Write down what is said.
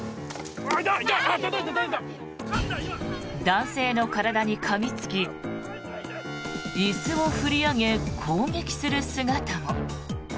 男性の体にかみつき椅子を振り上げ、攻撃する姿も。